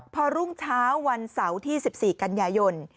พอรุ่งเช้าวันเสาร์ที่๑๔กันยายน